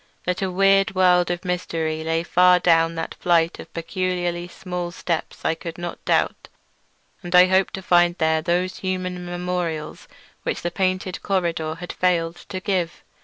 That a weird world of mystery lay far down that flight of peculiarly small steps I could not doubt, and I hoped to find there those human memorials which the painted corridor had failed to give.